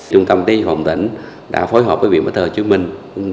trung tâm y tế dự phòng tỉnh đã phối hợp với viện bắc tên tp hcm